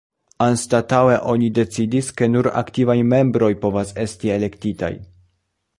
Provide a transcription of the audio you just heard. Anstataŭe oni decidis, ke nur "aktivaj membroj" povas esti elektitaj.